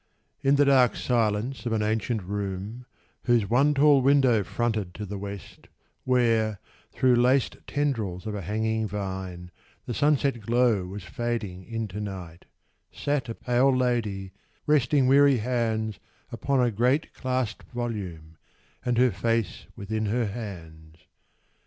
In the dark silence of an ancient room, Whose one tall window fronted to the West, Where, through laced tendrils of a hanging vine, The sunset glow was fading into night, Sat a pale Lady, resting weary hands Upon a great clasped volume, and her face Within her hands.